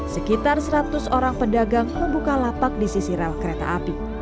sekitar seratus orang pedagang membuka lapak di sisi rel kereta api